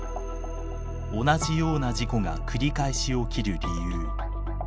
同じような事故が繰り返し起きる理由。